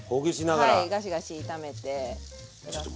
はいガシガシ炒めて下さい。